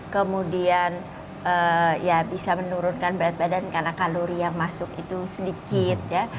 kemudian ya bisa menurunkan berat badan karena kalori yang masuk itu sedikit ya